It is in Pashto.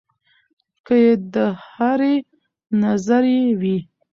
کۀ د هرې نظرئې وي